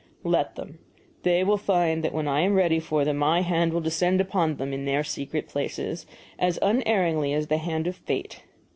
"Let them. They will find that when I am ready for them my hand will descend upon them, in their secret places, as unerringly as the hand of fate.